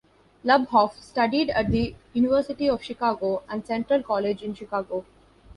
Luboff studied at the University of Chicago and Central College in Chicago.